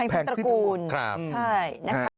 แพงขึ้นตระกูลใช่นะครับ